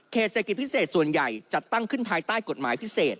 เศรษฐกิจพิเศษส่วนใหญ่จัดตั้งขึ้นภายใต้กฎหมายพิเศษ